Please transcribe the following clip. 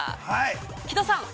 木戸さん。